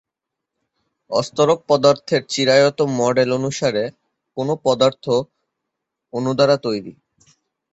অস্তরক পদার্থের চিরায়ত মডেল অনুসারে, কোন পদার্থ অণু দ্বারা তৈরি।